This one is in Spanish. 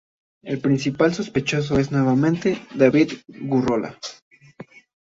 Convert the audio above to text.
El principal sospechoso es, nuevamente, David Gurrola.